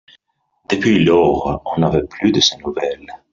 Depuis lors, on n'avait plus de ses nouvelles.